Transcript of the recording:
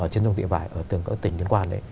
trên sông thị vải ở tỉnh liên quan